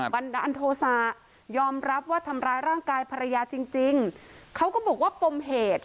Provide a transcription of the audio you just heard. บันดาลโทษะยอมรับว่าทำร้ายร่างกายภรรยาจริงจริงเขาก็บอกว่าปมเหตุ